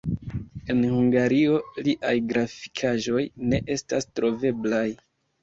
En Hungario liaj grafikaĵoj ne estas troveblaj.